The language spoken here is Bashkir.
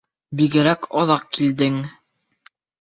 Бигерәк оҙаҡ килдең.